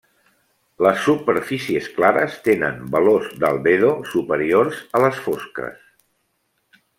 Les superfícies clares tenen valors d'albedo superiors a les fosques.